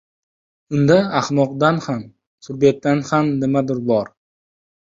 unda ahmoqdan ham, surbetdan ham nimadir bor.